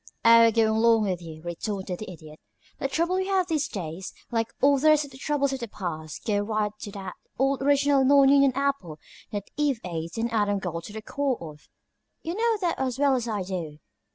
"Oh, go along with you," retorted the Idiot. "The trouble we have these days, like all the rest of the troubles of the past, go right back to that old original non union apple that Eve ate and Adam got the core of. You know that as well as I do.